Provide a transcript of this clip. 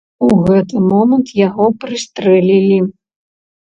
У гэты момант яго прыстрэлілі.